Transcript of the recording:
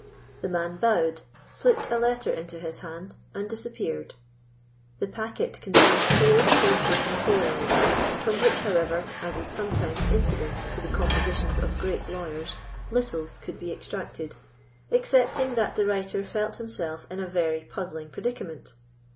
The man bowed, slipt a letter into his hand, and disappeared. The packet contained four close written folios, from which, however, as is sometimes incident to the compositions of great lawyers, little could be extracted, excepting that the writer felt himself in a very puzzling predicament.